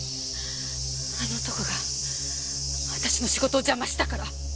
あの男が私の仕事を邪魔したから。